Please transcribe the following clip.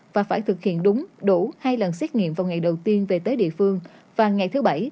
và phải thực hiện đúng đủ hai lần xét nghiệm vào ngày đầu tiên về tới địa phương và ngày thứ bảy